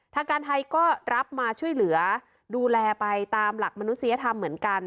ทางการไทยก็รับมาช่วยเหลือดูแลไปตามหลักมนุษยธรรมเหมือนกัน